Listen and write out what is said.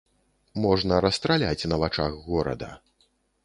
Можна расстраляць на вачах горада.